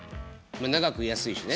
長く居やすいしね。